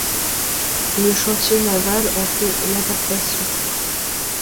Le chantier naval en fait l'adaptation.